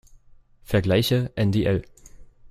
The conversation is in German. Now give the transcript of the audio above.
Vergleiche ndl.